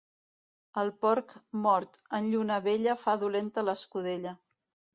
El porc mort en lluna vella fa dolenta l'escudella.